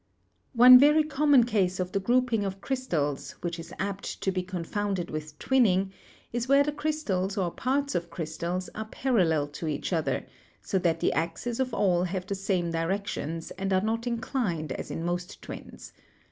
254 GEOLOGY One very common case of the grouping of crystals,, which is apt to be confounded with twinning, is where the crystals or parts of crystals are parallel to each other, so that the axes of all have the same directions, and are not inclined as in most twins.